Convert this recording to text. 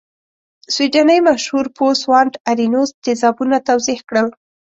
سویډنۍ مشهور پوه سوانت ارینوس تیزابونه توضیح کړل.